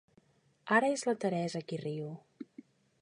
Ara és la Teresa qui riu.